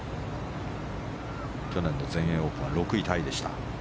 去年の全英オープンは６位タイでした。